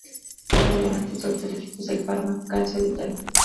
Juega de volante y su actual equipo es el Parma Calcio de Italia.